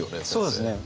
そうですね。